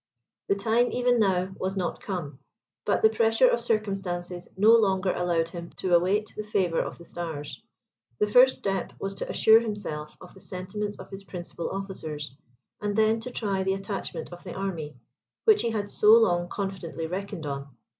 The time, even now, was not come: but the pressure of circumstances no longer allowed him to await the favour of the stars. The first step was to assure himself of the sentiments of his principal officers, and then to try the attachment of the army, which he had so long confidently reckoned on.